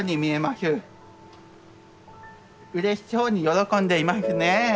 うれしそうに喜んでいますね。